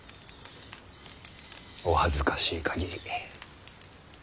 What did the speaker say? お恥ずかしい限り。